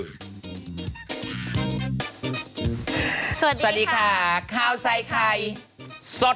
สวัสดีค่ะข้าวใส่ไข่สด